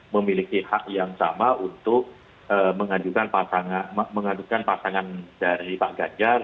memiliki hak yang sama untuk mengadukan pasangan dari pak ganjar